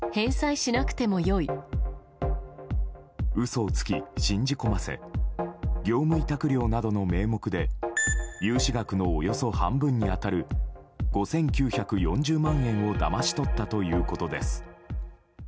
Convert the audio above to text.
嘘をつき信じ込ませ業務委託料などの名目で融資額のおよそ半分に当たる５９４０万円をだまし取ったということです。